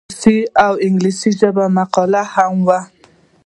روسي او انګلیسي ژبو مقالې هم وې.